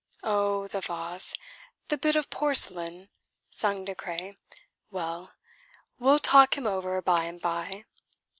"Oh, the vase! the bit of porcelain!" sung De Craye. "Well, we'll talk him over by and by."